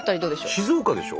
静岡でしょ？